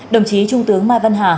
đồng chí trung tướng mai văn hà